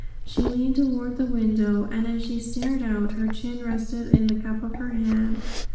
She leaned toward the window, and as she stared out, her chin rested in the cup of her hand.